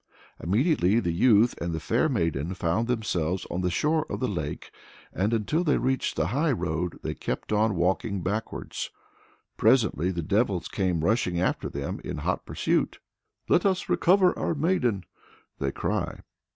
Immediately the youth and the fair maiden found themselves on the shore of the lake, and until they reached the high road they kept on walking backwards. Presently the devils came rushing after them in hot pursuit: "Let us recover our maiden!" they cry.